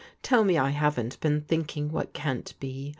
TcU me I haven't been thinking what can't be.